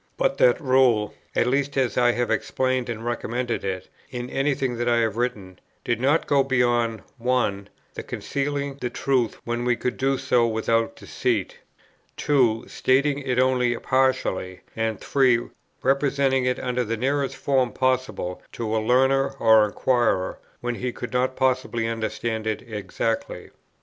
But that rule, at least as I have explained and recommended it, in anything that I have written, did not go beyond (1) the concealing the truth when we could do so without deceit, (2) stating it only partially, and (3) representing it under the nearest form possible to a learner or inquirer, when he could not possibly understand it exactly.